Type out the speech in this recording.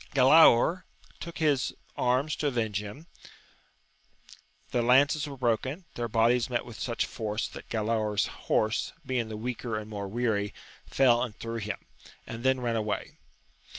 Galaor took his arms to avenge him ; the lances were broken : their bodies met with such force, that Galaor's horse, being the weaker and more weary, fell and threw him, and then ran away.